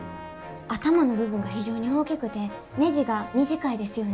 頭の部分が非常に大きくてねじが短いですよね？